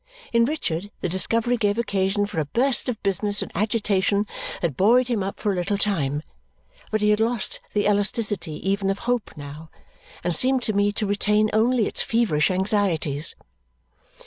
In Richard, the discovery gave occasion for a burst of business and agitation that buoyed him up for a little time, but he had lost the elasticity even of hope now and seemed to me to retain only its feverish anxieties.